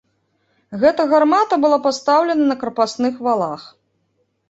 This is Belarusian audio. Гэта гармата была пастаўлена на крапасных валах.